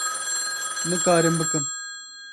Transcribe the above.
Nikarim bikim.